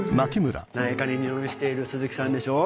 内科に入院している鈴木さんでしょ。